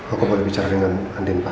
aku boleh bicara dengan andin pak